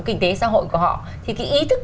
kinh tế xã hội của họ thì cái ý thức